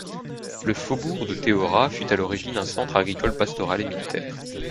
Le faubourg de Teora fut à l'origine un centre agricole, pastoral et militaire.